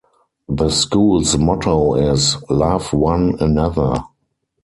The schools motto is: "Love One Another".